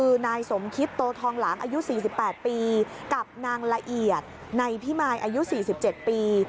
คือนายสมคิตโตทองหลางอายุ๔๘ปีกับนางละเอียดในพิมายอายุ๔๗ปี